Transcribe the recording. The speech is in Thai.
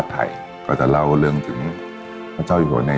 แต่ตอนเด็กก็รู้ว่าคนนี้คือพระเจ้าอยู่บัวของเรา